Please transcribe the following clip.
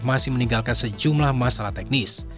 masih meninggalkan sejumlah masalah teknis